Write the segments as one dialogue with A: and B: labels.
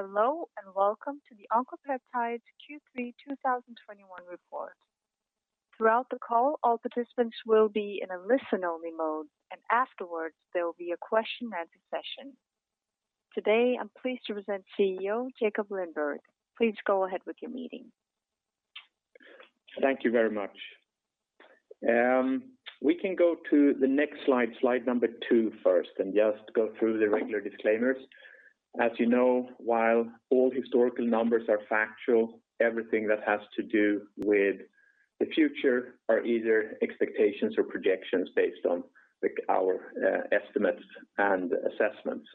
A: Hello and welcome to the Oncopeptides Q3 2021 report. Throughout the call, all participants will be in a listen-only mode, and afterwards, there will be a question and answer session. Today, I'm pleased to present CEO Jakob Lindberg. Please go ahead with your meeting.
B: Thank you very much. We can go to the next slide number two first, and just go through the regular disclaimers. As you know, while all historical numbers are factual, everything that has to do with the future are either expectations or projections based on our estimates and assessments,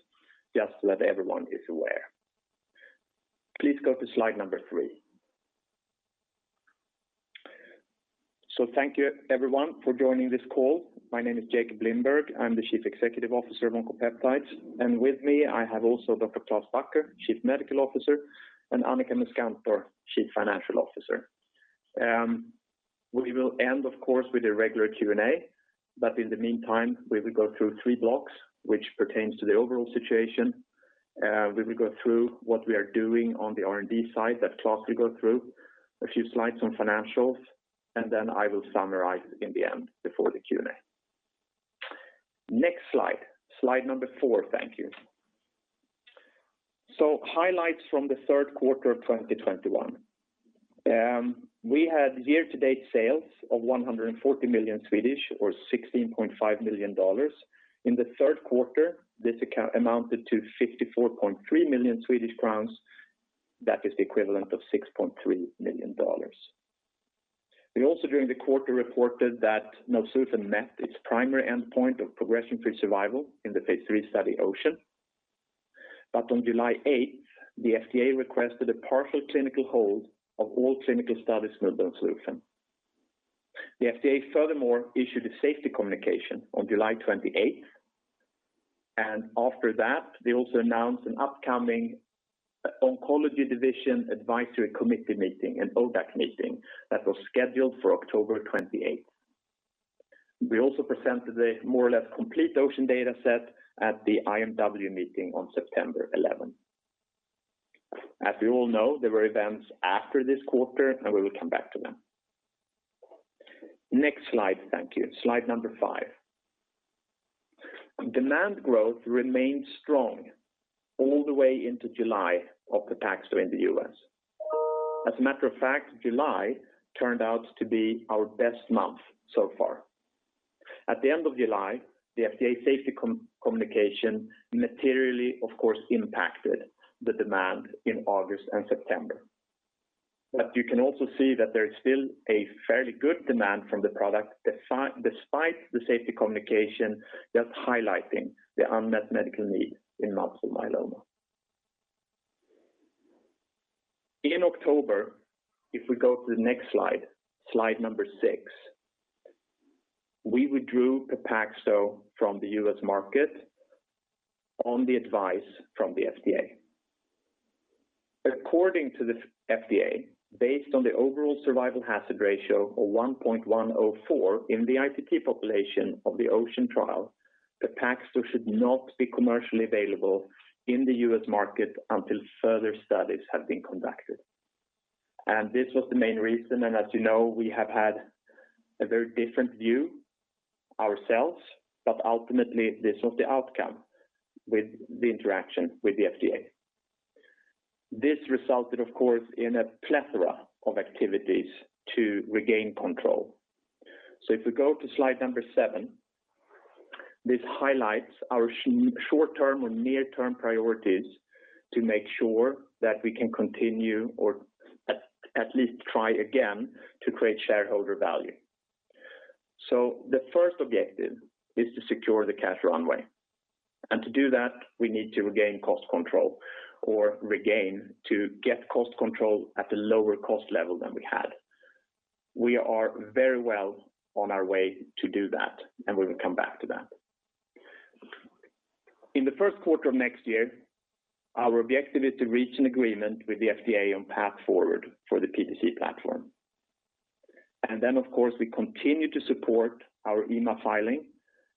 B: just so that everyone is aware. Please go to slide number three. Thank you everyone for joining this call. My name is Jakob Lindberg. I'm the Chief Executive Officer of Oncopeptides, and with me, I have also Dr. Klaas Bakker, Chief Medical Officer, and Annika Muskantor, Chief Financial Officer. We will end, of course, with a regular Q&A, but in the meantime, we will go through three blocks, which pertains to the overall situation. We will go through what we are doing on the R&D side that Klaas will go through, a few slides on financials, and then I will summarize in the end before the Q&A. Next slide. Slide number four. Thank you. Highlights from the third quarter of 2021. We had year-to-date sales of 140 million, or $16.5 million. In the third quarter, this amount amounted to 54.3 million Swedish crowns. That is the equivalent of $6.3 million. We also, during the quarter, reported that melflufen met its primary endpoint of progression-free survival in the phase III study OCEAN. On July 8, the FDA requested a partial clinical hold of all clinical studies of melflufen. The FDA furthermore issued a safety communication on July 28, and after that, they also announced an upcoming Oncologic Drugs Advisory Committee meeting, an ODAC meeting, that was scheduled for October 28. We also presented a more or less complete OCEAN data set at the IMW meeting on September 11. As we all know, there were events after this quarter, and we will come back to them. Next slide. Thank you. Slide number five. Demand growth remained strong all the way into July of Pepaxto in the U.S. As a matter of fact, July turned out to be our best month so far. At the end of July, the FDA safety communication materially, of course, impacted the demand in August and September. You can also see that there is still a fairly good demand from the product despite the safety communication, just highlighting the unmet medical need in multiple myeloma. In October, if we go to the next slide number six, we withdrew Pepaxto from the U.S. market on the advice from the FDA. According to the FDA, based on the overall survival hazard ratio of 1.04 in the ITT population of the OCEAN trial, Pepaxto should not be commercially available in the U.S. market until further studies have been conducted. This was the main reason, and as you know, we have had a very different view ourselves, but ultimately, this was the outcome with the interaction with the FDA. This resulted, of course, in a plethora of activities to regain control. If we go to slide number seven, this highlights our short-term or near-term priorities to make sure that we can continue or at least try again to create shareholder value. The first objective is to secure the cash runway. To do that, we need to regain cost control at a lower cost level than we had. We are very well on our way to do that, and we will come back to that. In the first quarter of next year, our objective is to reach an agreement with the FDA on path forward for the PDC platform. Then, of course, we continue to support our EMA filing,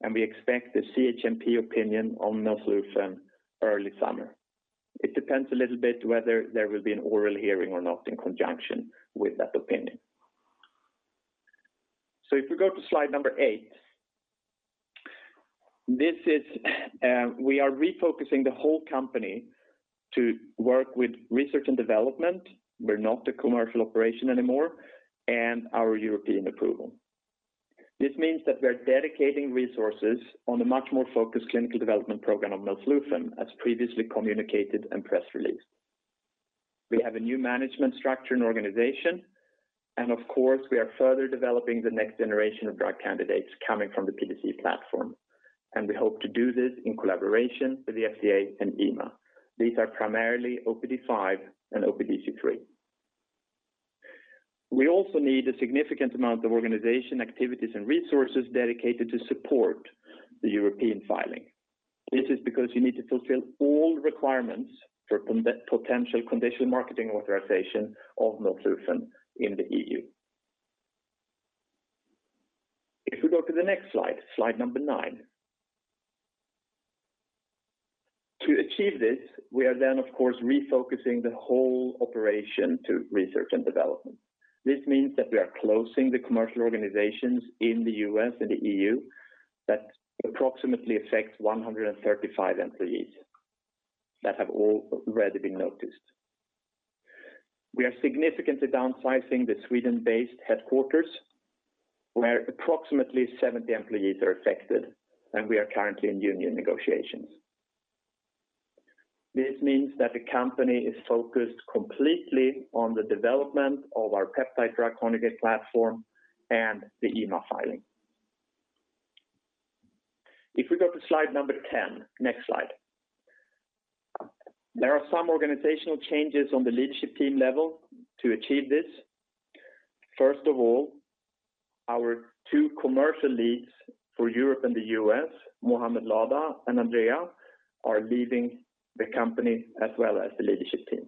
B: and we expect the CHMP opinion on melflufen early summer. It depends a little bit whether there will be an oral hearing or not in conjunction with that opinion. If we go to slide number eight, this is we are refocusing the whole company to work with research and development. We're not a commercial operation anymore and our European approval. This means that we're dedicating resources on a much more focused clinical development program of melflufen, as previously communicated and press-released. We have a new management structure and organization, and of course, we are further developing the next generation of drug candidates coming from the PDC platform. We hope to do this in collaboration with the FDA and EMA. These are primarily OPD5 and OPDC3. We also need a significant amount of organization, activities, and resources dedicated to support the European filing. This is because you need to fulfill all requirements for potential conditional marketing authorization of melflufen in the EU. If we go to the next slide number nine. To achieve this, we are then of course refocusing the whole operation to research and development. This means that we are closing the commercial organizations in the U.S. and the E.U. that approximately affects 135 employees that have all already been noticed. We are significantly downsizing the Sweden-based headquarters, where approximately 70 employees are affected, and we are currently in union negotiations. This means that the company is focused completely on the development of our peptide drug conjugate platform and the EMA filing. If we go to slide number 10. Next slide. There are some organizational changes on the leadership team level to achieve this. First of all, our two commercial leads for Europe and the U.S., Mohamed Ladha and Andrea, are leaving the company as well as the leadership team.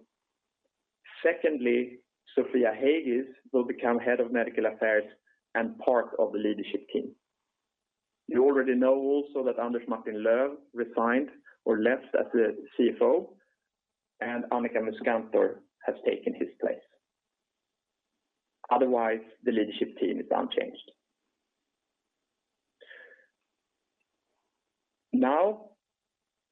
B: Secondly, Sofia Heigis will become head of medical affairs and part of the leadership team. You already know also that Anders Martin-Löf resigned or left as the CFO and Annika Muskantor has taken his place. Otherwise, the leadership team is unchanged. Now,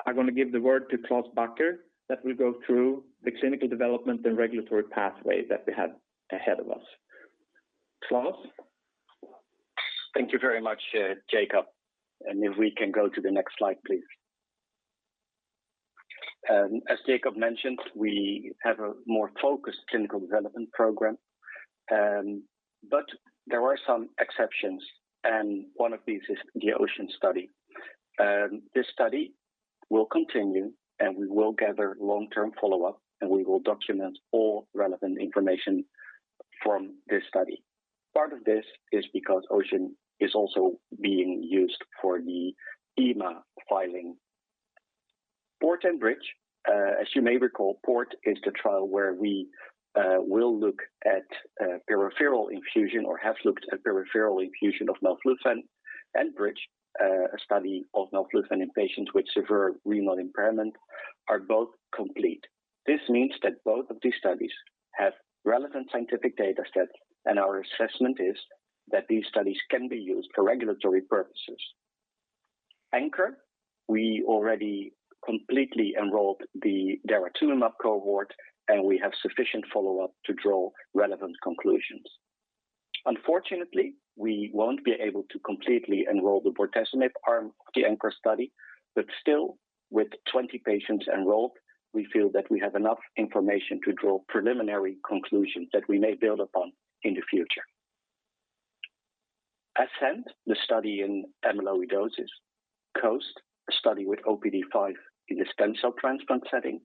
B: I'm gonna give the word to Klaas Bakker that will go through the clinical development and regulatory pathway that we have ahead of us. Klaas.
C: Thank you very much, Jakob, and if we can go to the next slide, please. As Jakob mentioned, we have a more focused clinical development program, but there are some exceptions, and one of these is the OCEAN study. This study will continue, and we will gather long-term follow-up, and we will document all relevant information from this study. Part of this is because OCEAN is also being used for the EMA filing. PORT and BRIDGE, as you may recall, PORT is the trial where we will look at peripheral infusion or have looked at peripheral infusion of melflufen and BRIDGE, a study of melflufen in patients with severe renal impairment are both complete. This means that both of these studies have relevant scientific data sets, and our assessment is that these studies can be used for regulatory purposes. ANCHOR, we already completely enrolled the daratumumab cohort, and we have sufficient follow-up to draw relevant conclusions. Unfortunately, we won't be able to completely enroll the bortezomib arm of the ANCHOR study. Still, with 20 patients enrolled, we feel that we have enough information to draw preliminary conclusions that we may build upon in the future. ASCEND, the study in amyloidosis, COAST, a study with OPD5 in the stem cell transplant setting,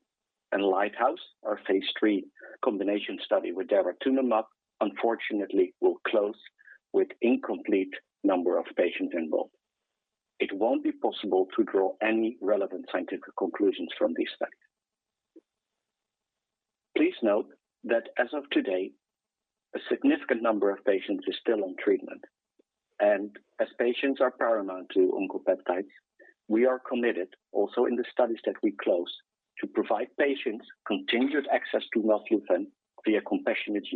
C: and LIGHTHOUSE, our phase III combination study with daratumumab, unfortunately will close with incomplete number of patients involved. It won't be possible to draw any relevant scientific conclusions from these studies. Please note that as of today, a significant number of patients is still on treatment. As patients are paramount to Oncopeptides, we are committed also in the studies that we close to provide patients continued access to melflufen via compassionate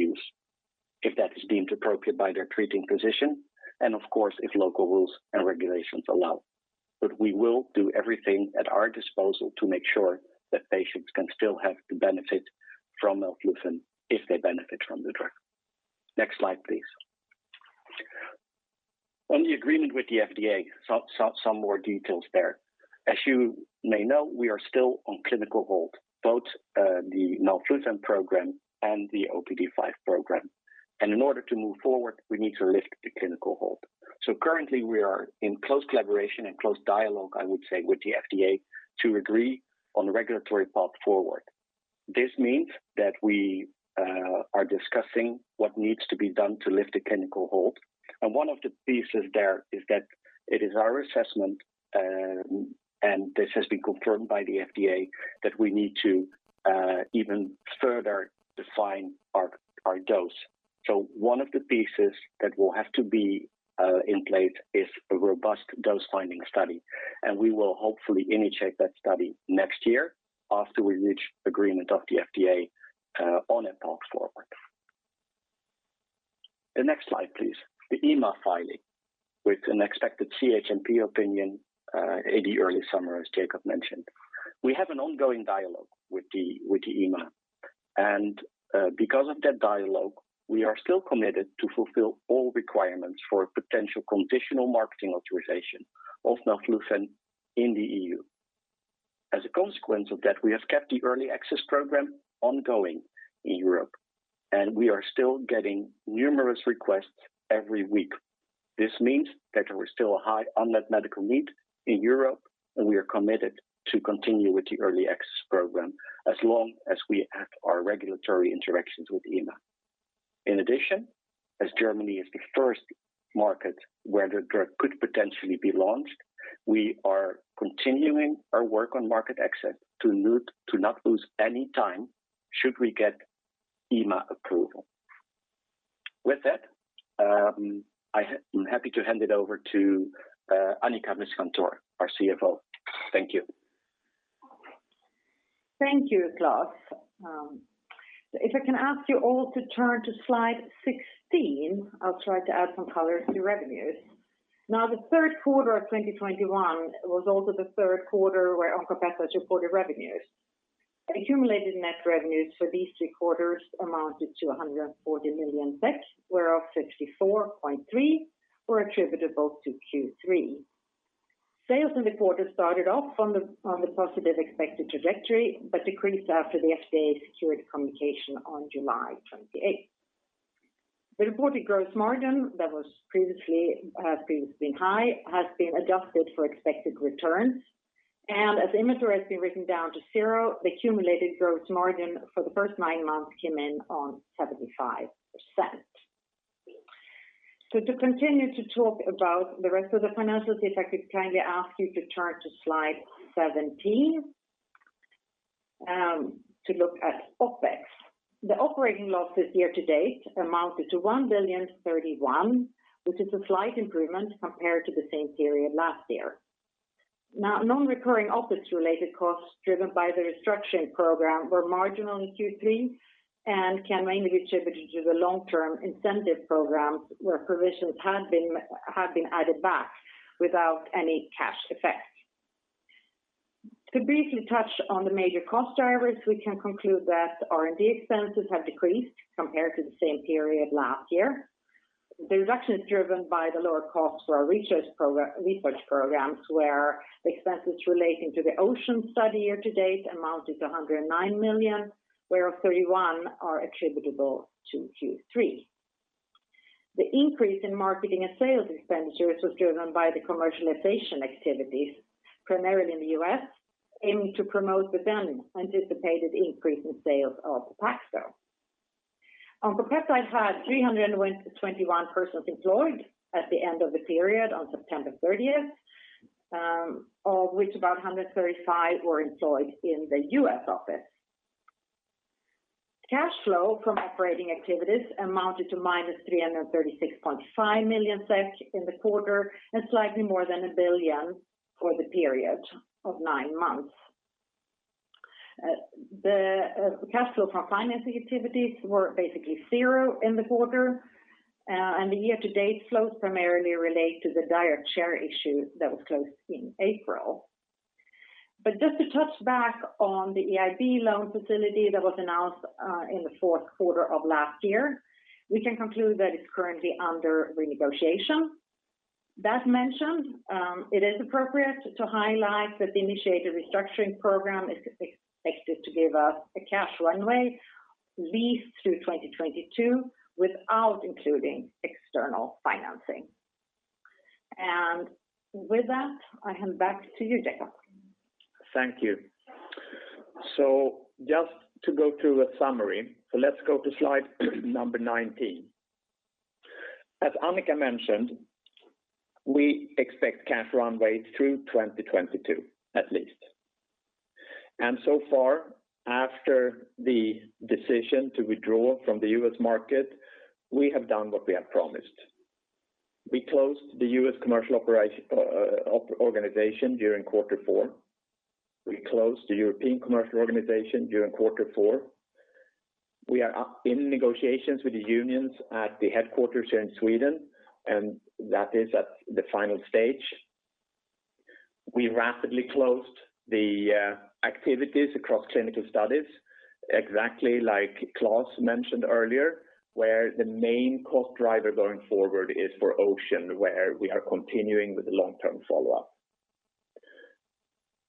C: use if that is deemed appropriate by their treating physician and of course, if local rules and regulations allow. We will do everything at our disposal to make sure that patients can still have the benefit from melflufen if they benefit from the drug. Next slide, please. On the agreement with the FDA, some more details there. As you may know, we are still on clinical hold, both the melflufen program and the OPD5 program. In order to move forward, we need to lift the clinical hold. Currently, we are in close collaboration and close dialogue, I would say, with the FDA to agree on the regulatory path forward. This means that we are discussing what needs to be done to lift the clinical hold. One of the pieces there is that it is our assessment, and this has been confirmed by the FDA, that we need to even further define our dose. One of the pieces that will have to be in place is a robust dose-finding study. We will hopefully initiate that study next year after we reach agreement of the FDA on a path forward. The next slide, please. The EMA filing with an expected CHMP opinion in the early summer, as Jakob mentioned. We have an ongoing dialogue with the EMA. Because of that dialogue, we are still committed to fulfill all requirements for a potential conditional marketing authorization of melflufen in the EU. As a consequence of that, we have kept the early access program ongoing in Europe, and we are still getting numerous requests every week. This means that there is still a high unmet medical need in Europe, and we are committed to continue with the early access program as long as we have our regulatory interactions with EMA. In addition, as Germany is the first market where the drug could potentially be launched, we are continuing our work on market access to not lose any time should we get. EMA approval. With that, I'm happy to hand it over to Annika Muskantor, our CFO. Thank you.
D: Thank you, Klaas. If I can ask you all to turn to Slide 16, I'll try to add some color to revenues. Now, the third quarter of 2021 was also the third quarter where Oncopeptides reported revenues. Accumulated net revenues for these three quarters amounted to 140 million, whereof 64.3 million were attributable to Q3. Sales in the quarter started off on the positive expected trajectory, but decreased after the FDA's safety communication on July 28. The reported gross margin that was previously high has been adjusted for expected returns. As inventory has been written down to zero, the accumulated gross margin for the first nine months came in at 75%. To continue to talk about the rest of the financials, if I could kindly ask you to turn to Slide 17 to look at OpEx. The operating loss this year to date amounted to 1.031 billion, which is a slight improvement compared to the same period last year. Non-recurring OpEx related costs driven by the restructuring program were marginal in Q3 and can mainly be attributed to the long-term incentive programs where provisions had been added back without any cash effect. To briefly touch on the major cost drivers, we can conclude that R&D expenses have decreased compared to the same period last year. The reduction is driven by the lower cost for our research programs, where the expenses relating to the OCEAN study year to date amounted to 109 million, whereof 31 are attributable to Q3. The increase in marketing and sales expenditures was driven by the commercialization activities, primarily in the U.S., aiming to promote the then anticipated increase in sales of Pepaxto. Oncopeptides had 301-321 persons employed at the end of the period on September 30, of which about 135 were employed in the U.S. office. Cash flow from operating activities amounted to -336.5 million SEK in the quarter, and slightly more than 1 billion for the period of nine months. The cash flow from financing activities were basically zero in the quarter, and the year-to-date flows primarily relate to the direct share issue that was closed in April. Just to touch back on the EIB loan facility that was announced in the fourth quarter of last year, we can conclude that it's currently under renegotiation. That mentioned, it is appropriate to highlight that the initiated restructuring program is expected to give us a cash runway at least through 2022 without including external financing. With that, I hand back to you, Jakob.
B: Thank you. Just to go through a summary. Let's go to slide number 19. As Annika mentioned, we expect cash runway through 2022 at least. So far, after the decision to withdraw from the U.S. market, we have done what we have promised. We closed the U.S. commercial organization during quarter four. We closed the European commercial organization during quarter four. We are up in negotiations with the unions at the headquarters here in Sweden, and that is at the final stage. We rapidly closed the activities across clinical studies, exactly like Klaas mentioned earlier, where the main cost driver going forward is for OCEAN, where we are continuing with the long-term follow-up.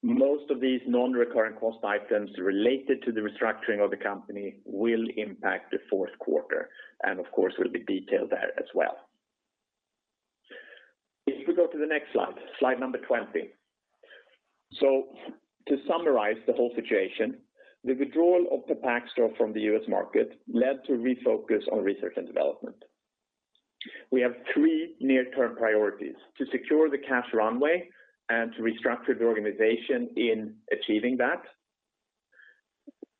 B: Most of these non-recurring cost items related to the restructuring of the company will impact the fourth quarter, and of course, will be detailed there as well. If you could go to the next slide number 20. To summarize the whole situation, the withdrawal of Pepaxto from the U.S. market led to refocus on research and development. We have three near-term priorities to secure the cash runway and to restructure the organization in achieving that.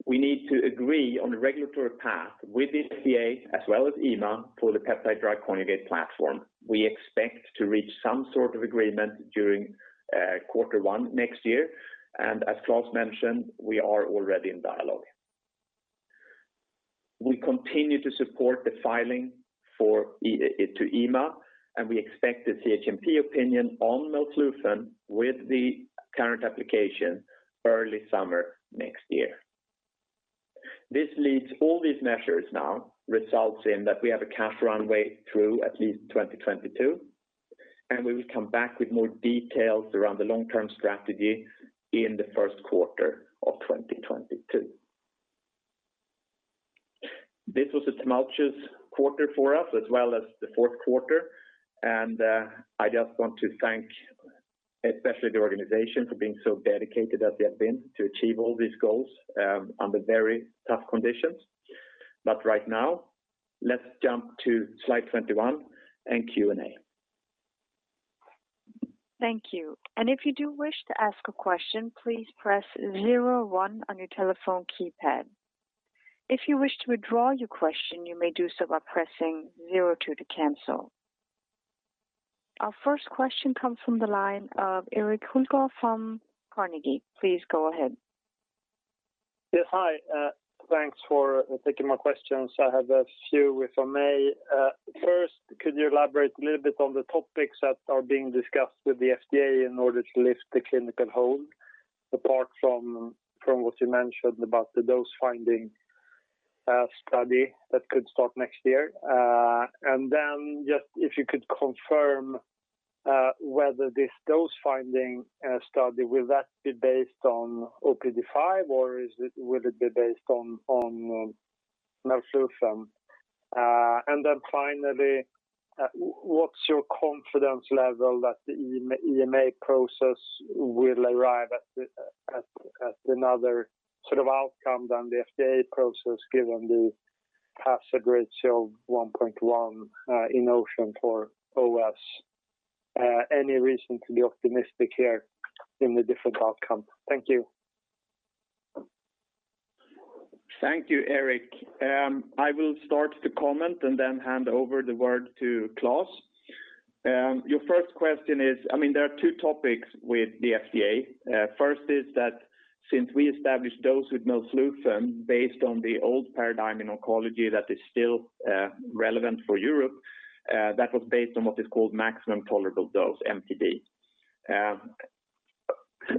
B: We need to agree on the regulatory path with the FDA as well as EMA for the peptide drug conjugate platform. We expect to reach some sort of agreement during quarter one next year. As Klaas mentioned, we are already in dialogue. We continue to support the filing for MAA to EMA, and we expect the CHMP opinion on melflufen with the current application early summer next year. These measures now result in that we have a cash runway through at least 2022, and we will come back with more details around the long-term strategy in the first quarter of 2022. This was a tumultuous quarter for us as was the fourth quarter, and I just want to thank especially the organization for being so dedicated as they have been to achieve all these goals under very tough conditions. Right now, let's jump to slide number 21 and Q&A.
A: Our first question comes from the line of Erik Hultgård from Carnegie. Please go ahead.
E: Yes. Hi. Thanks for taking my questions. I have a few if I may. First, could you elaborate a little bit on the topics that are being discussed with the FDA in order to lift the clinical hold, apart from what you mentioned about the dose-finding study that could start next year? And then just if you could confirm whether this dose-finding study will be based on OPD5, or will it be based on melflufen? And then finally, what's your confidence level that the EMA process will arrive at another sort of outcome than the FDA process given the hazard ratio 1.1 in OCEAN for OS? Any reason to be optimistic here in a different outcome? Thank you.
B: Thank you, Erik. I will start to comment and then hand over the word to Klaas. Your first question is there are two topics with the FDA. First is that since we established dose with melflufen based on the old paradigm in oncology that is still relevant for Europe, that was based on what is called maximum tolerated dose, MTD.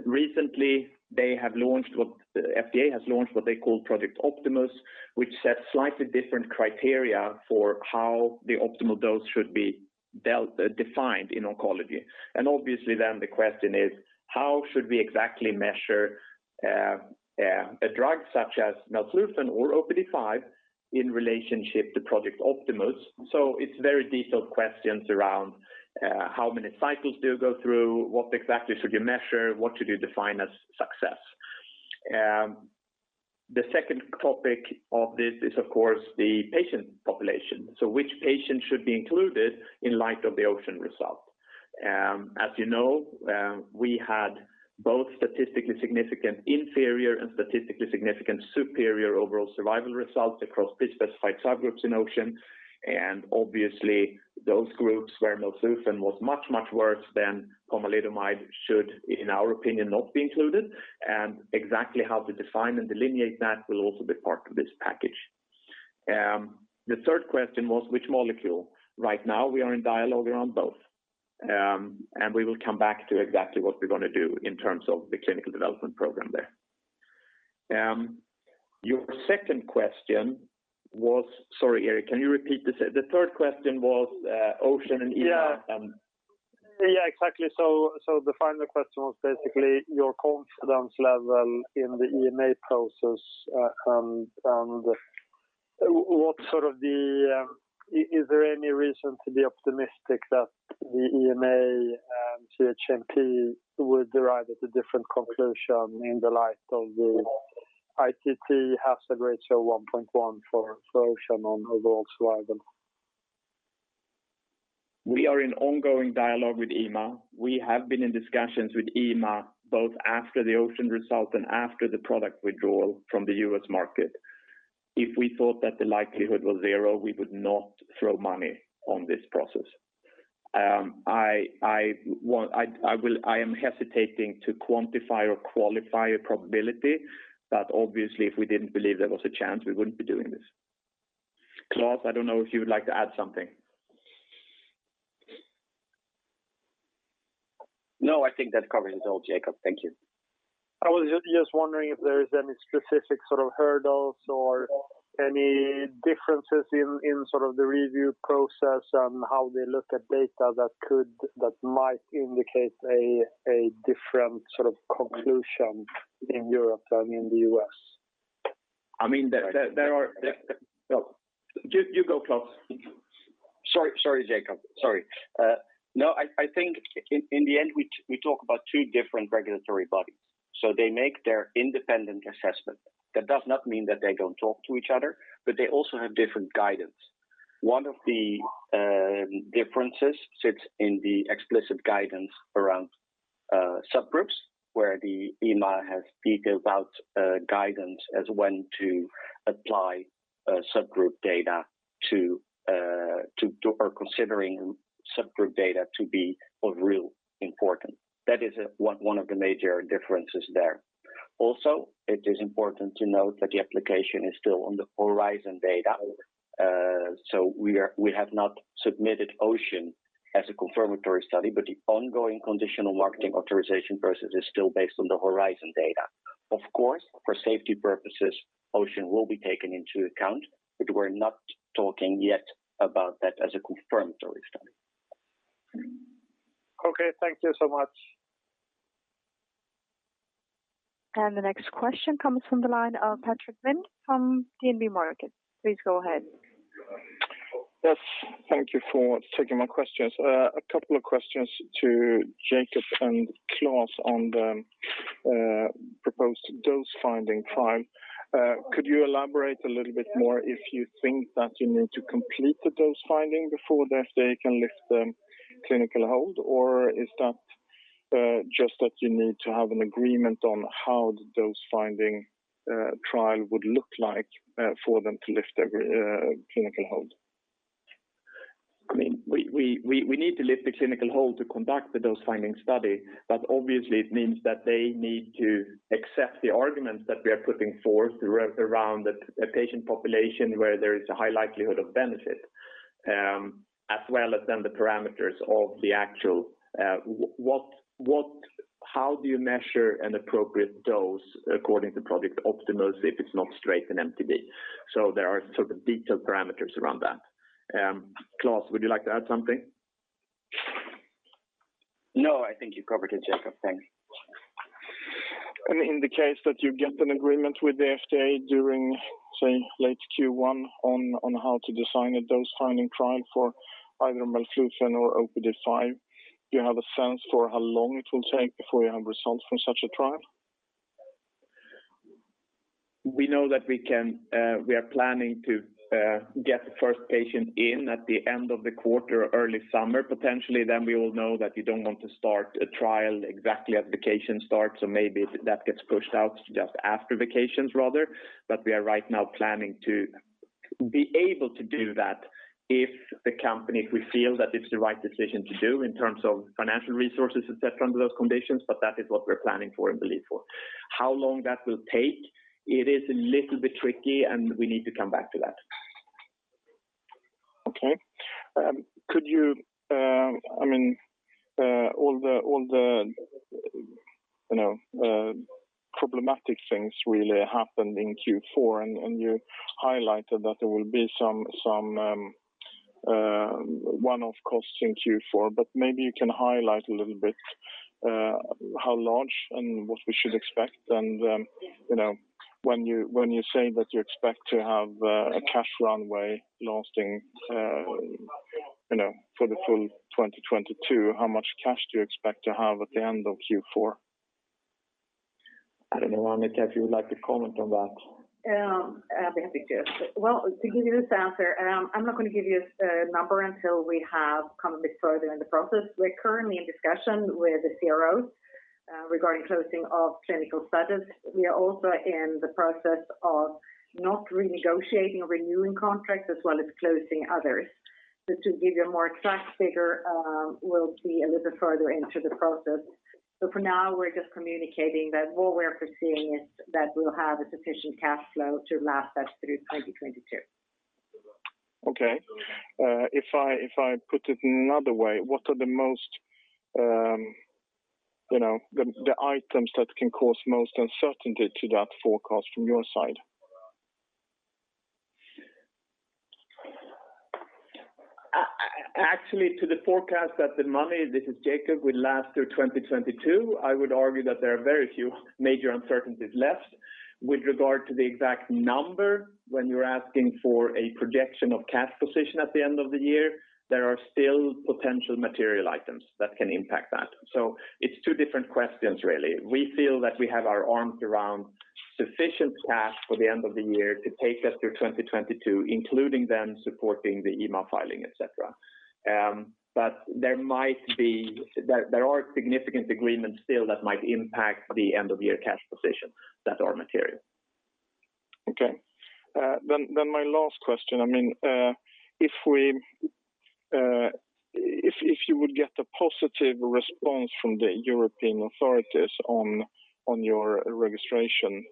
B: Recently, the FDA has launched what they call Project Optimus, which sets slightly different criteria for how the optimal dose should be dealt, defined in oncology. Obviously then the question is how should we exactly measure a drug such as melflufen or OPD5 in relationship to Project Optimus. It's very detailed questions around how many cycles do you go through, what exactly should you measure, what should you define as success. The second topic of this is of course the patient population. Which patient should be included in light of the OCEAN result. As you know, we had both statistically significant inferior and statistically significant superior overall survival results across pre-specified subgroups in OCEAN. Obviously, those groups where melflufen was much, much worse than pomalidomide should, in our opinion, not be included. Exactly how to define and delineate that will also be part of this package. The third question was which molecule. Right now we are in dialogue around both. We will come back to exactly what we're gonna do in terms of the clinical development program there. Your second question was. Sorry, Erik, can you repeat this? The third question was, OCEAN and EMA and-
E: Yeah. Yeah, exactly. The final question was basically your confidence level in the EMA process, and what sort of the, is there any reason to be optimistic that the EMA and CHMP would derive at a different conclusion in the light of the ITT hazard ratio 1.1 for OCEAN on overall survival?
B: We are in ongoing dialogue with EMA. We have been in discussions with EMA both after the OCEAN result and after the product withdrawal from the U.S. market. If we thought that the likelihood was zero, we would not throw money on this process. I am hesitating to quantify or qualify a probability, but obviously, if we didn't believe there was a chance, we wouldn't be doing this. Klaas, I don't know if you would like to add something.
C: No, I think that covers it all, Jakob. Thank you.
E: I was just wondering if there is any specific sort of hurdles or any differences in sort of the review process and how they look at data that might indicate a different sort of conclusion in Europe than in the US?
B: No. You go, Klaas.
C: Sorry, Jakob. Sorry. No, I think in the end, we talk about two different regulatory bodies. They make their independent assessment. That does not mean that they don't talk to each other, but they also have different guidance. One of the differences sits in the explicit guidance around subgroups, where the EMA has spoken about guidance as when to apply subgroup data to or considering subgroup data to be of real importance. That is one of the major differences there. Also, it is important to note that the application is still on the HORIZON data. We have not submitted OCEAN as a confirmatory study, but the ongoing conditional marketing authorization process is still based on the HORIZON data. Of course, for safety purposes, OCEAN will be taken into account, but we're not talking yet about that as a confirmatory study.
E: Okay. Thank you so much.
A: The next question comes from the line of Patrik Ling from DNB Markets. Please go ahead.
F: Yes. Thank you for taking my questions. A couple of questions to Jakob and Klaas on the proposed dose finding trial. Could you elaborate a little bit more if you think that you need to complete the dose finding before the FDA can lift the clinical hold? Or is that just that you need to have an agreement on how the dose finding trial would look like for them to lift every clinical hold?
B: I mean, we need to lift the clinical hold to conduct the dose finding study. Obviously it means that they need to accept the arguments that we are putting forth around the a patient population where there is a high likelihood of benefit, as well as the parameters of the actual what how do you measure an appropriate dose according to Project Optimus if it's not straight in MTD. There are sort of detailed parameters around that. Klaas, would you like to add something?
C: No, I think you covered it, Jakob. Thanks.
F: In the case that you get an agreement with the FDA during, say, late Q1 on how to design a dose finding trial for either melflufen or OPD5, do you have a sense for how long it will take before you have results from such a trial?
B: We know that we can, we are planning to get the first patient in at the end of the quarter or early summer potentially. We will know that we don't want to start a trial exactly as vacation starts, so maybe that gets pushed out just after vacations rather. We are right now planning to be able to do that if the company, if we feel that it's the right decision to do in terms of financial resources, et cetera, under those conditions. That is what we're planning for and believe for. How long that will take, it is a little bit tricky, and we need to come back to that.
F: Okay. Could you, I mean, all the, you know, problematic things really happened in Q4, and you highlighted that there will be some one-off costs in Q4. Maybe you can highlight a little bit how large and what we should expect. You know, when you say that you expect to have a cash runway lasting, you know, for the full 2022, how much cash do you expect to have at the end of Q4?
B: I don't know, Annika, if you would like to comment on that.
D: I'd be happy to. Well, to give you this answer, I'm not gonna give you a number until we have come a bit further in the process. We're currently in discussion with the CROs regarding closing of clinical studies. We are also in the process of not renegotiating or renewing contracts as well as closing others. To give you a more exact figure will be a little bit further into the process. For now, we're just communicating that what we're foreseeing is that we'll have a sufficient cash flow to last us through 2022.
F: Okay. If I put it another way, what are the most, you know, the items that can cause most uncertainty to that forecast from your side?
B: Actually, to the forecast that the money, this is Jakob, will last through 2022, I would argue that there are very few major uncertainties left. With regard to the exact number, when you're asking for a projection of cash position at the end of the year, there are still potential material items that can impact that. It's two different questions really. We feel that we have our arms around sufficient cash for the end of the year to take us through 2022, including then supporting the EMA filing, et cetera. There are significant agreements still that might impact the end of year cash position that are material.
F: Okay. My last question. I mean, if you would get a positive response from the European authorities on your registration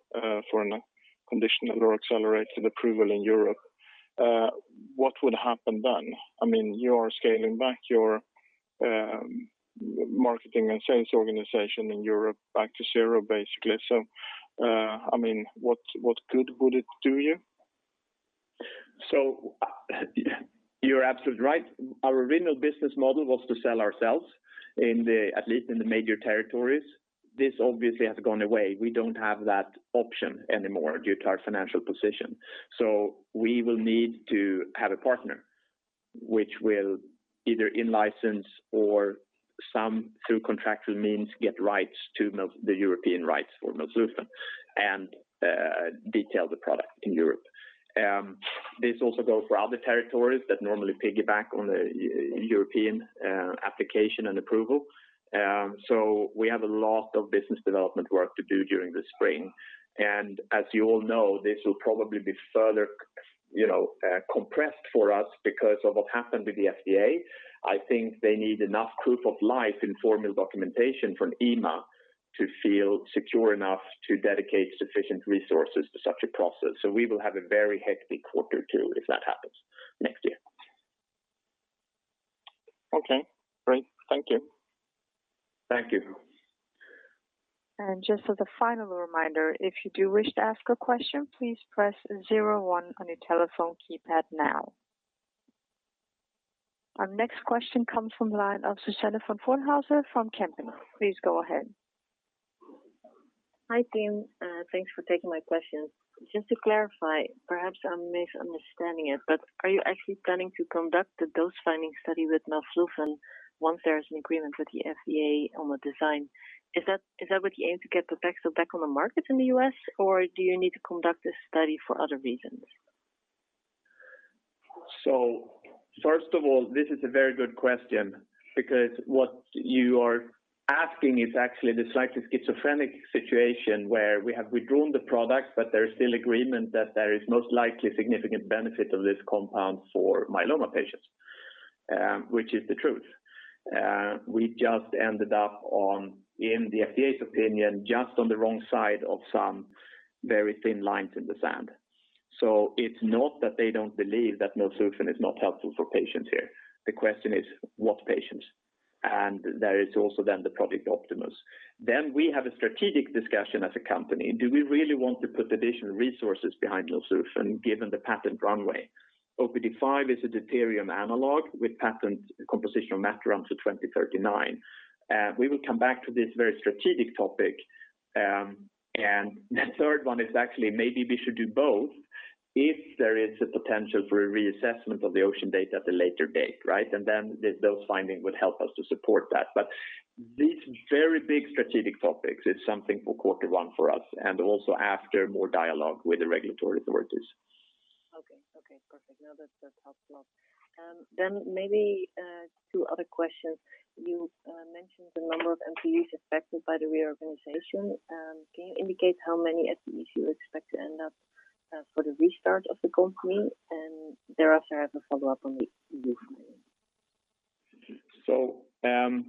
F: for a conditional or accelerated approval in Europe, what would happen then? I mean, you are scaling back your marketing and sales organization in Europe back to zero basically. I mean, what good would it do you?
B: You're absolutely right. Our original business model was to sell ourselves in the, at least in the major territories. This obviously has gone away. We don't have that option anymore due to our financial position. We will need to have a partner which will either in-license or somehow through contractual means get rights to the European rights for melflufen and detail the product in Europe. This also goes for other territories that normally piggyback on the European application and approval. We have a lot of business development work to do during the spring. As you all know, this will probably be further compressed for us because of what happened with the FDA. I think they need enough proof of life in formal documentation from EMA to feel secure enough to dedicate sufficient resources to such a process. We will have a very hectic quarter two if that happens next year.
F: Okay. Great. Thank you.
B: Thank you.
A: Just as a final reminder, if you do wish to ask a question, please press zero one on your telephone keypad now. Our next question comes from the line of Suzanne van Voorthuizen from Kempen. Please go ahead.
G: Hi team. Thanks for taking my questions. Just to clarify, perhaps I'm misunderstanding it, but are you actually planning to conduct the dose finding study with melflufen once there is an agreement with the FDA on the design? Is that what you aim to get Pepaxto back on the market in the U.S. or do you need to conduct this study for other reasons?
B: First of all, this is a very good question because what you are asking is actually the slightly schizophrenic situation where we have withdrawn the product, but there is still agreement that there is most likely significant benefit of this compound for myeloma patients, which is the truth. We just ended up, in the FDA's opinion, just on the wrong side of some very thin lines in the sand. It's not that they don't believe that melflufen is not helpful for patients here. The question is what patients? There is also then the product Project Optimus. We have a strategic discussion as a company. Do we really want to put additional resources behind melflufen given the patent runway? OPD5 is a deuterium analog with patent composition of matter run to 2039. We will come back to this very strategic topic, and the third one is actually maybe we should do both if there is a potential for a reassessment of the OCEAN data at a later date, right? And then those findings would help us to support that. These very big strategic topics is something for quarter one for us and also after more dialogue with the regulatory authorities.
G: Okay. Okay, perfect. No, that helps a lot. Maybe two other questions. You mentioned the number of FTEs affected by the reorganization. Can you indicate how many FTEs you expect to end up for the restart of the company? Thereafter, I have a follow-up on the EU filing.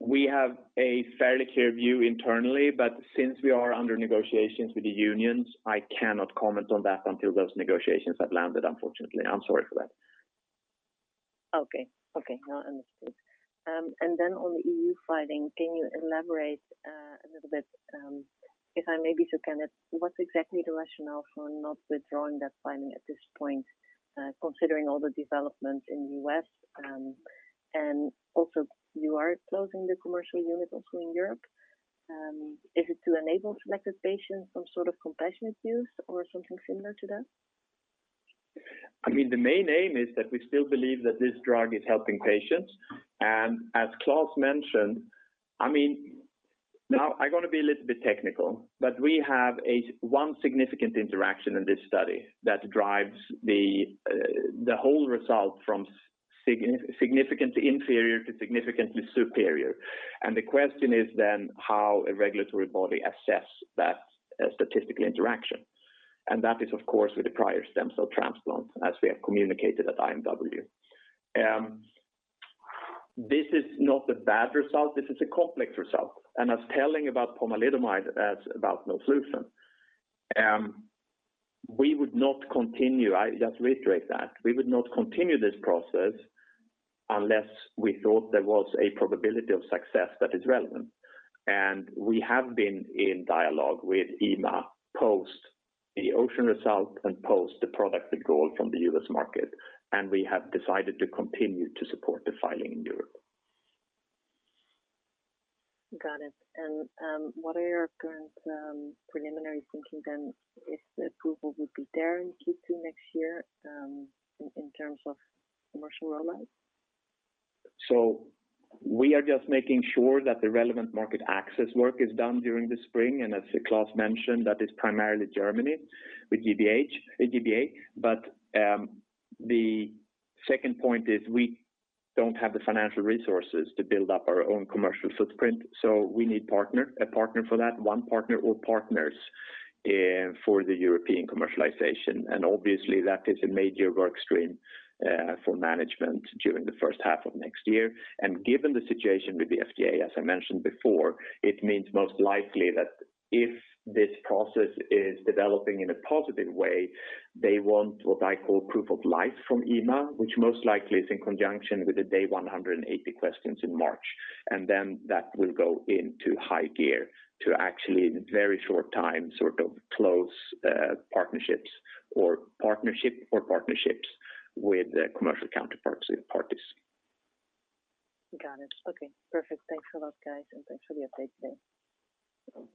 B: We have a fairly clear view internally, but since we are under negotiations with the unions, I cannot comment on that until those negotiations have landed, unfortunately. I'm sorry for that.
G: Okay. No, understood. On the EU filing, can you elaborate a little bit, if I may be so candid, what's exactly the rationale for not withdrawing that filing at this point, considering all the developments in the U.S., and also you are closing the commercial unit also in Europe. Is it to enable selected patients some sort of compassionate use or something similar to that?
B: I mean, the main aim is that we still believe that this drug is helping patients. As Klaas mentioned, I mean, now I'm gonna be a little bit technical, but we have one significant interaction in this study that drives the whole result from significantly inferior to significantly superior. The question is then how a regulatory body assess that statistical interaction. That is of course, with the prior stem cell transplant, as we have communicated at IMW. This is not a bad result. This is a complex result. It's as telling about pomalidomide as about melflufen. We would not continue. I just reiterate that. We would not continue this process unless we thought there was a probability of success that is relevant. We have been in dialogue with EMA post the OCEAN result and post the product withdrawal from the U.S. market. We have decided to continue to support the filing in Europe.
G: Got it. What are your current, preliminary thinking then if the approval would be there in Q2 next year, in terms of commercial rollout?
B: We are just making sure that the relevant market access work is done during the spring. As Claes mentioned, that is primarily Germany with G-BA. The second point is we don't have the financial resources to build up our own commercial footprint. We need a partner for that, one partner or partners, for the European commercialization. Obviously that is a major work stream for management during the first half of next year. Given the situation with the FDA, as I mentioned before, it means most likely that if this process is developing in a positive way, they want what I call proof of life from EMA, which most likely is in conjunction with the day 180 questions in March. That will go into high gear to actually, in very short time, sort of close partnerships with the commercial counterparties.
G: Got it. Okay, perfect. Thanks a lot, guys, and thanks for the update today.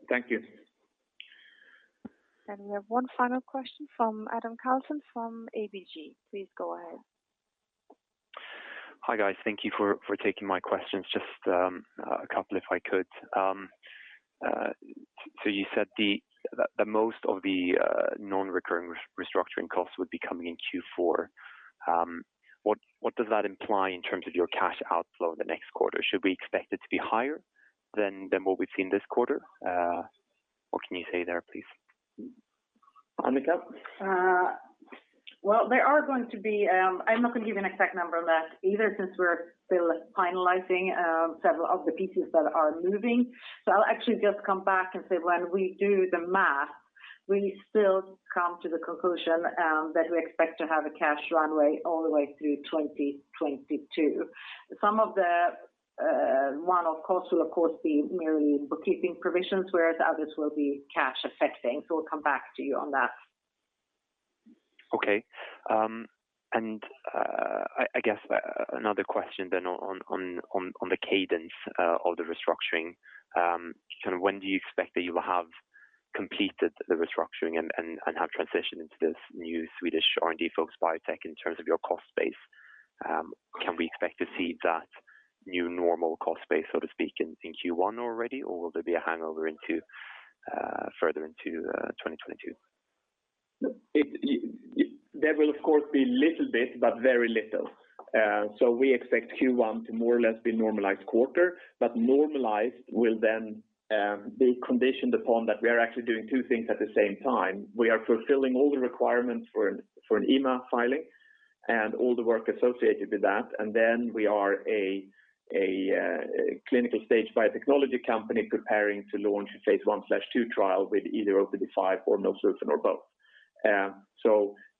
B: Thank you.
A: We have one final question from Adam Karlsson from ABG Sundal Collier. Please go ahead.
H: Hi, guys. Thank you for taking my questions. Just a couple if I could. You said the most of the non-recurring restructuring costs would be coming in Q4. What does that imply in terms of your cash outflow in the next quarter? Should we expect it to be higher than what we've seen this quarter? What can you say there, please?
B: Annika?
D: Well, there are going to be, I'm not gonna give you an exact number on that either, since we're still finalizing several of the pieces that are moving. I'll actually just come back and say when we do the math, we still come to the conclusion that we expect to have a cash runway all the way through 2022. Some of the one-off costs will of course be merely bookkeeping provisions, whereas others will be cash affecting. We'll come back to you on that.
H: Okay, I guess another question then on the cadence of the restructuring. Kind of when do you expect that you will have completed the restructuring and have transitioned into this new Swedish R&D focused biotech in terms of your cost base? Can we expect to see that new normal cost base, so to speak, in Q1 already or will there be a hangover further into 2022?
B: There will of course be a little bit, but very little. We expect Q1 to more or less be a normalized quarter, but normalized will then be conditioned upon that we are actually doing two things at the same time. We are fulfilling all the requirements for an EMA filing and all the work associated with that. We are a clinical-stage biotechnology company preparing to launch a phase I/II trial with either OPD5 or melflufen or both.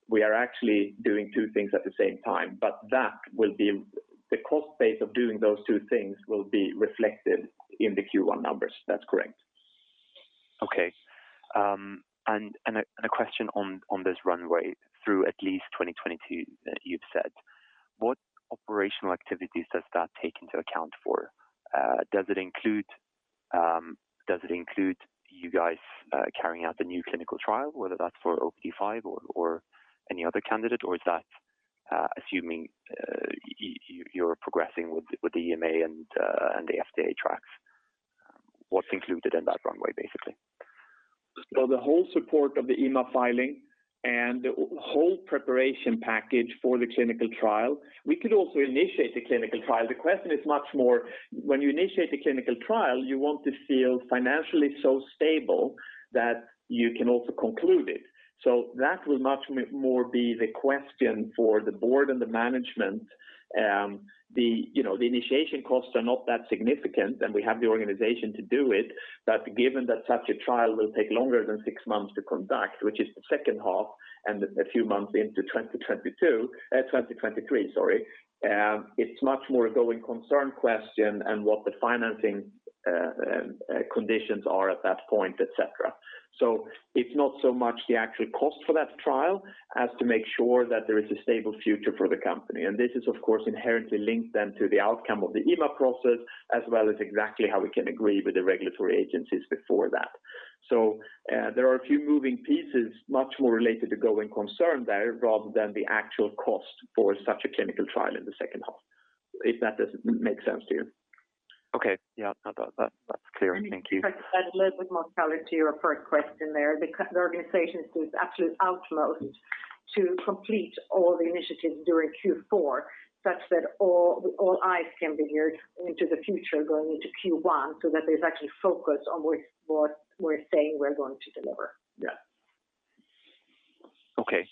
B: We are actually doing two things at the same time. That will be. The cost base of doing those two things will be reflected in the Q1 numbers. That's correct.
H: Okay. A question on this runway through at least 2022 that you've set. What operational activities does that take into account? Does it include you guys carrying out the new clinical trial, whether that's for OPD5 or any other candidate, or is that assuming you're progressing with the EMA and the FDA tracks? What's included in that runway, basically?
B: The whole support of the EMA filing and the whole preparation package for the clinical trial. We could also initiate the clinical trial. The question is much more when you initiate the clinical trial, you want to feel financially so stable that you can also conclude it. That will much more be the question for the board and the management. You know, the initiation costs are not that significant, and we have the organization to do it. But given that such a trial will take longer than six months to conduct, which is the second half and a few months into 2023, it's much more a going concern question and what the financing conditions are at that point, et cetera. It's not so much the actual cost for that trial as to make sure that there is a stable future for the company. This is of course inherently linked then to the outcome of the EMA process, as well as exactly how we can agree with the regulatory agencies before that. There are a few moving pieces much more related to going concern there rather than the actual cost for such a clinical trial in the second half, if that does make sense to you.
H: Okay. Yeah. No, that's clear. Thank you.
D: Let me just add a little bit more color to your first question there. The organization is doing its absolute utmost to complete all the initiatives during Q4, such that all eyes can be geared into the future going into Q1 so that there's actually focus on what we're saying we're going to deliver.
B: Yeah.
H: Okay.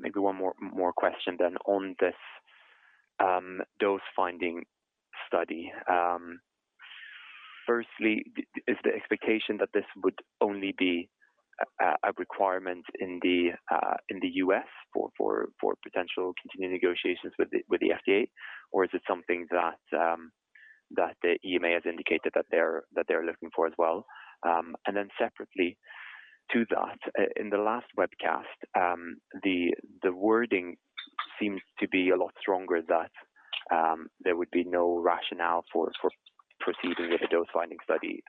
H: Maybe one more question on this dose finding study. Firstly, is the expectation that this would only be a requirement in the U.S. for potential continued negotiations with the FDA, or is it something that the EMA has indicated that they're looking for as well? Separately to that, in the last webcast, the wording seems to be a lot stronger that there would be no rationale for proceeding with a dose finding study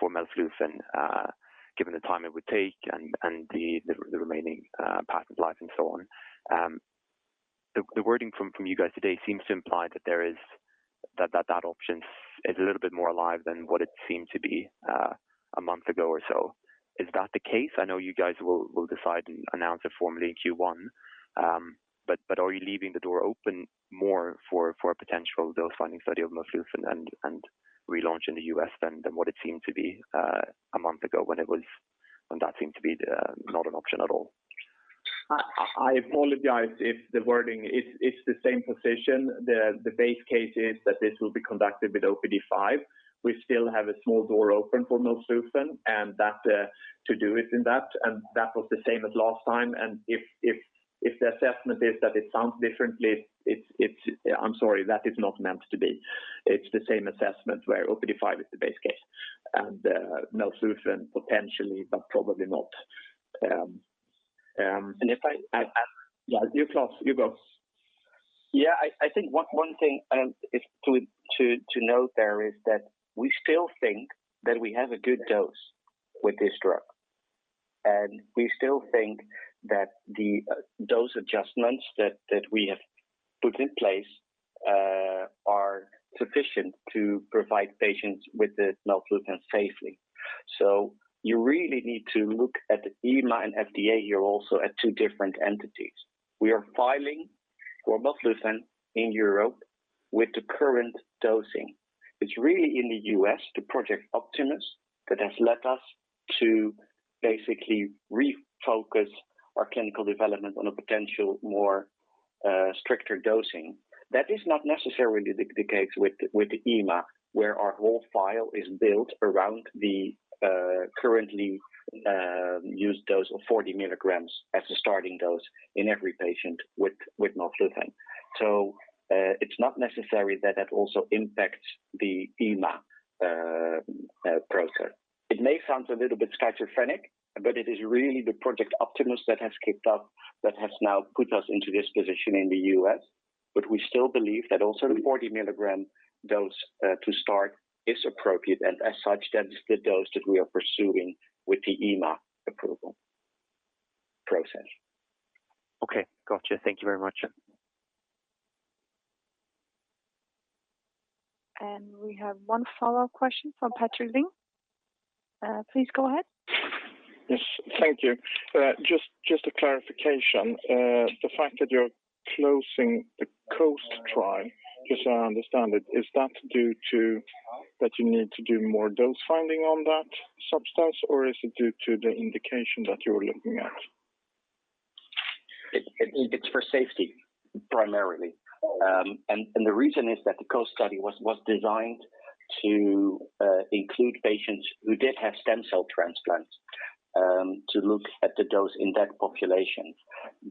H: for melflufen, given the time it would take and the remaining patent life and so on. The wording from you guys today seems to imply that there is. That option is a little bit more alive than what it seemed to be a month ago or so. Is that the case? I know you guys will decide and announce it formally in Q1, but are you leaving the door open more for a potential dose finding study of melflufen and relaunch in the U.S. than what it seemed to be a month ago when that seemed to be not an option at all?
B: I apologize if the wording. It's the same position. The base case is that this will be conducted with OPD5. We still have a small door open for melflufen and that to do it in that, and that was the same as last time. If the assessment is that it sounds differently, it's. I'm sorry, that is not meant to be. It's the same assessment where OPD5 is the base case and melflufen potentially, but probably not.
C: If I-
B: Yeah. You, Klaas, you go.
C: I think one thing is to note there is that we still think that we have a good dose with this drug. We still think that the dose adjustments that we have put in place are sufficient to provide patients with the melflufen safely. You really need to look at the EMA and FDA here also as two different entities. We are filing for melflufen in Europe with the current dosing. It's really in the U.S., the Project Optimus, that has led us to basically refocus our clinical development on a potential more stricter dosing. That is not necessarily the case with the EMA, where our whole file is built around the currently used dose of 40 mg as a starting dose in every patient with melflufen. It's not necessary that it also impacts the EMA process. It may sound a little bit schizophrenic, but it is really the Project Optimus that has kicked off that has now put us into this position in the U.S. We still believe that also the 40 mg dose to start is appropriate, and as such, that is the dose that we are pursuing with the EMA approval process. Okay. Got you. Thank you very much.
A: We have one follow-up question from Patrik Ling. Please go ahead.
F: Yes. Thank you. Just a clarification. The fact that you're closing the COAST trial, just so I understand it, is that due to that you need to do more dose finding on that substance or is it due to the indication that you're looking at?
C: It's for safety primarily. The reason is that the COAST study was designed to include patients who did have stem cell transplants to look at the dose in that population.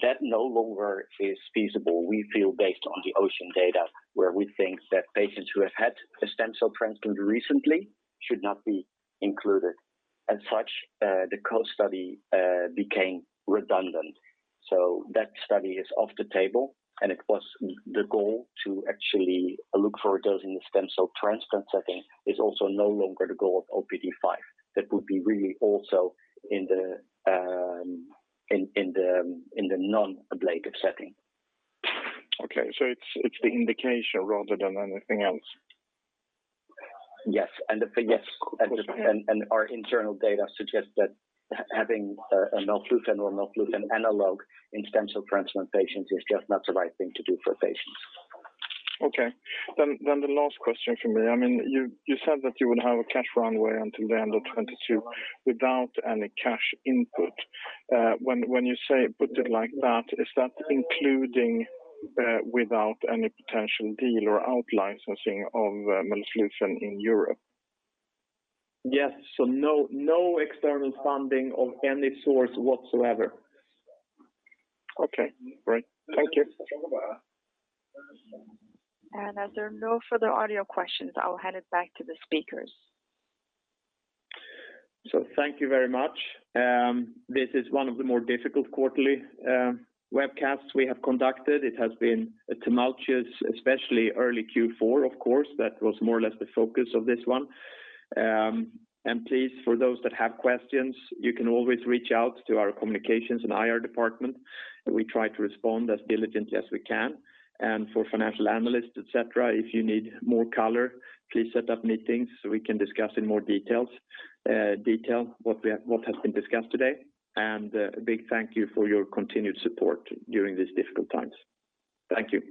C: That no longer is feasible we feel based on the OCEAN data, where we think that patients who have had a stem cell transplant recently should not be included. As such, the COAST study became redundant. That study is off the table, and it was the goal to actually look for a dose in the stem cell transplant setting is also no longer the goal of OPD5. That would be really also in the non-ablative setting.
F: Okay. It's the indication rather than anything else.
C: Yes. Yes.
F: Of course. Yeah.
C: Our internal data suggests that having a melphalan or melphalan analog in stem cell transplant patients is just not the right thing to do for patients.
F: Okay. The last question from me. I mean, you said that you would have a cash runway until the end of 2022 without any cash input. When you say put it like that, is that including without any potential deal or out-licensing of melphalan in Europe?
B: Yes. No external funding of any source whatsoever.
F: Okay, great. Thank you.
A: As there are no further audio questions, I'll hand it back to the speakers.
B: Thank you very much. This is one of the more difficult quarterly webcasts we have conducted. It has been a tumultuous, especially early Q4 of course, that was more or less the focus of this one. Please, for those that have questions, you can always reach out to our communications and IR department, and we try to respond as diligently as we can. For financial analysts, et cetera, if you need more color, please set up meetings so we can discuss in more detail what has been discussed today. A big thank you for your continued support during these difficult times. Thank you.